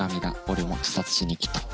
俺も自殺しに来た。